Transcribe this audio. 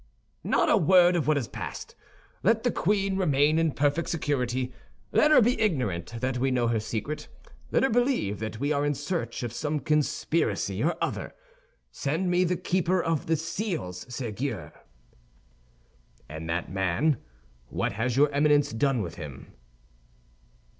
"Not a word of what has passed. Let the queen remain in perfect security; let her be ignorant that we know her secret. Let her believe that we are in search of some conspiracy or other. Send me the keeper of the seals, Séguier." "And that man, what has your Eminence done with him?"